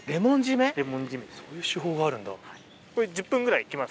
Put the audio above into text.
そういう手法があるんだ。